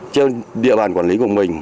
trên địa bàn quản lý của mình